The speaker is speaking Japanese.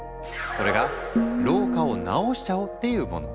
それが老化を治しちゃおう！っていうもの。